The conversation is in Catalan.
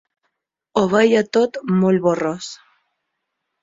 Ho veia tot molt borrós